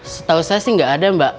setahu saya sih nggak ada mbak